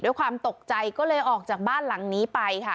ด้วยความตกใจก็เลยออกจากบ้านหลังนี้ไปค่ะ